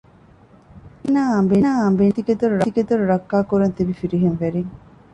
ދަރިންނާއި އަނބިންނާއި ގޯތިގެދޮރު ރައްކާ ކުރަން ތިބި ފިރިހެންވެރިން